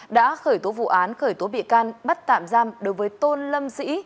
đã khởi tố vụ án khởi tố bị can bắt tạm giam đối với tôn lâm sĩ